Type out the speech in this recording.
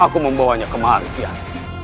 aku membawanya kemari kiai